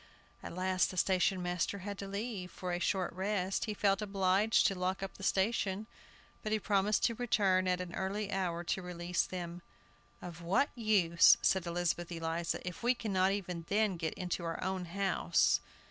At last the station master had to leave, for a short rest. He felt obliged to lock up the station, but he promised to return at an early hour to release them. "Of what use," said Elizabeth Eliza, "if we cannot even then get into our own house?"